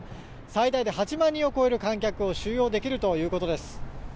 最大で８万人を超える観客を収容できるということです。